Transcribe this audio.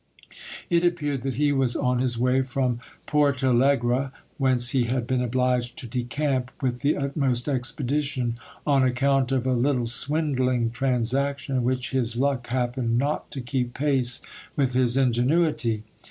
It appeared that he was on his way from Portal egre, whence he had been obliged to decamp with the utmost expedition on account of a little swindling transaction in which his luck happened not to keep pace with his ingenuity.